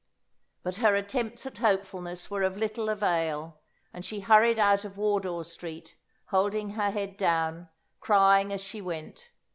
But her attempts at hopefulness were of little avail, and she hurried out of Wardour Street, holding her head down, crying as she went.